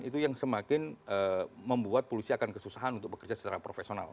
itu yang semakin membuat polisi akan kesusahan untuk bekerja secara profesional